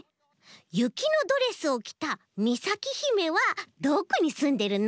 雪のドレスをきたみさきひめはどこにすんでるの？